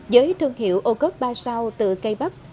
với thương hiệu ô cốt ba sao từ cây bắp